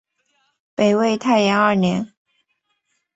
北魏太延二年。